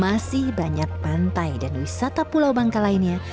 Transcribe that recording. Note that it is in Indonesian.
masih banyak pantai dan wisata pulau bangka lainnya